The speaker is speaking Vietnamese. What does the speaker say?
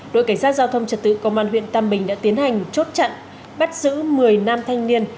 đội cảnh sát giao thông trật tự công an huyện tam bình đã tiến hành chốt chặn bắt giữ một mươi nam thanh niên